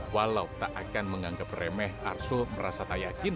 walau tak akan menganggap remeh arsul merasa tak yakin